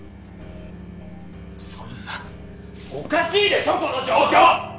そんなおかしいでしょこの状況！